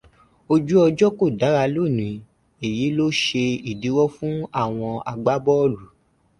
Ojú ọjọ́ kò dára lónìí, èyí ló ṣe ìdíwọ́ fún àwọn agbábọ́ọ̀lù